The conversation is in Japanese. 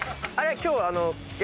今日は。